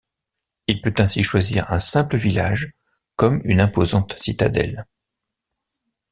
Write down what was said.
Il peut ainsi choisir un simple village comme une imposante citadelle.